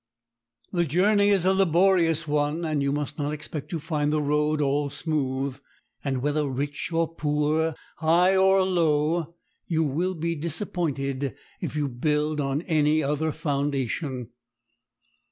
The journey is a laborious one, and you must not expect to find the road all smooth. And whether rich or poor, high or low, you will be disappointed if you build on any other foundation.